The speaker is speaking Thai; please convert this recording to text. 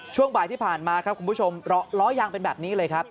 ช่วงบ่ายที่ผ่านมาครับคุณผู้ชมล้อยางเป็นแบบนี้เลยครับ